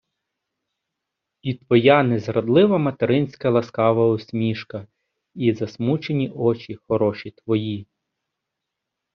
І твоя незрадлива материнська ласкава усмішка, і засмучені очі хороші твої